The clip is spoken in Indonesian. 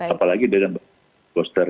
apalagi dengan booster